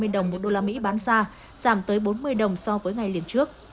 hai mươi năm một trăm hai mươi đồng một đô la mỹ bán ra giảm tới bốn mươi đồng so với ngày liên trước